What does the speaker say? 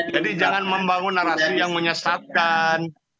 jadi jangan membangun narasi yang menyesatkan